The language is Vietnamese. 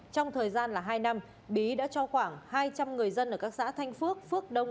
trong thời gian là hai năm bí đã cho khoảng hai trăm linh người dân ở các xã thanh phước phước đông